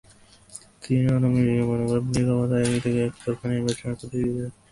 তিনি অনমনীয় মনোভাব নিয়ে ক্ষমতায় থেকে একতরফা নির্বাচনের পথেই এগিয়ে যাচ্ছেন।